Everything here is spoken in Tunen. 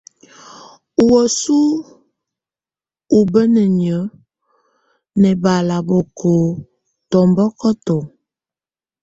Ɔ wəsu ubeneni nɛbala boko tɔmbɔkɔtɔ.